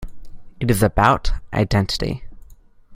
It is about identity.